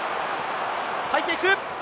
入っていく！